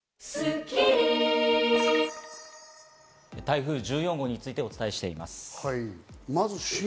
台風１４号についてお伝えしています。